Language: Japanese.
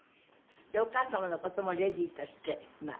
じゃあお母様の事もレディーとして？